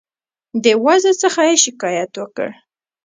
د وضع څخه یې شکایت وکړ.